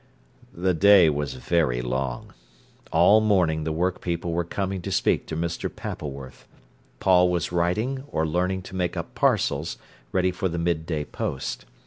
The day was very long. All morning the work people were coming to speak to Mr. Pappleworth. Paul was writing or learning to make up parcels, ready for the midday post.